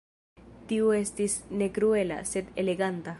Tiu estis ne kruela, sed eleganta.